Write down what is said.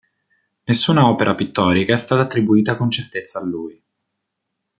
Nessuna opera pittorica è stata attribuita con certezza a lui.